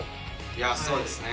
いやそうですね。